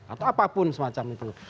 atau apapun semacam itu